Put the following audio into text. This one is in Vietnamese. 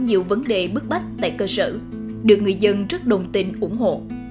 nhiều vấn đề bức bách tại cơ sở được người dân rất đồng tình ủng hộ